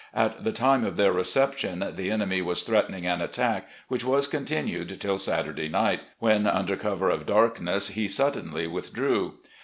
At the time of their reception the enemy was threatening an attack, which was continued till Saturday night, when under cover of darkness he suddenly withdrew.